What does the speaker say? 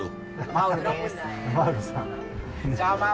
マウロさん。